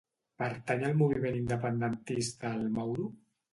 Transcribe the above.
Pertany al moviment independentista el Mauro?